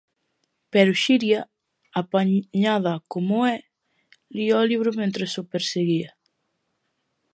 Pero Xiria, apañada como é, lía o libro mentres o perseguía.